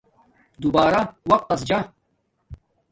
دربارہ وقت تس جا